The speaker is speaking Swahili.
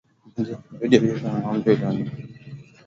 Idadi ya vifo kwa ngombe walioambukizwa ugonjwa wa ndigana kali